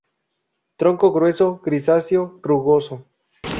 Tronco grueso, grisáceo, rugoso.